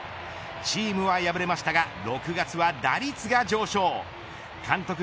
チームは敗れましたが６月は打率が上昇。